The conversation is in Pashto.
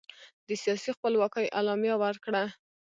د سیاسي خپلواکۍ اعلامیه ورکړه.